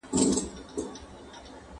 ¬ چي خداى ئې در کوي، بټل ئې يار دئ.